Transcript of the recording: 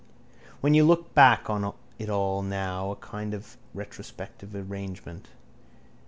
When you look back on it all now in a kind of retrospective arrangement.